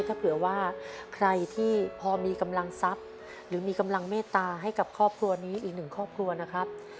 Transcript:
ถ้าเผื่อว่าใครที่พอมีกำลังทรัพย์หรือมีกำลังเมตตาให้กับครอบครัวนี้อีกหนึ่งครอบครัวนะครับ